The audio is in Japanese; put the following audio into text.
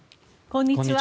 こんにちは。